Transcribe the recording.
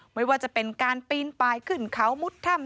ไม่ว่าจะเป็นการปีนปลายขึ้นเขามุดถ้ำ